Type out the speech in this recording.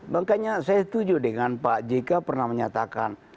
makanya saya setuju dengan pak jk pernah menyatakan